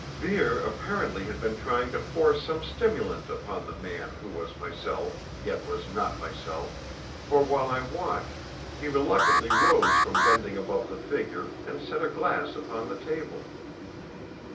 Vere apparently had been trying to force some stimulant upon the man who was myself, yet was not myself, for while I watched he reluctantly rose from bending above the figure and set a glass upon the table.